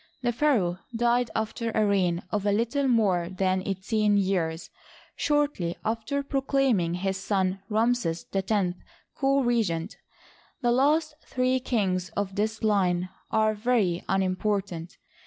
The pha raoh died after a reign of a little more than eighteen years» shortly after proclaiming his son Ramses X co regent. The last three kings of this line are very unimportant.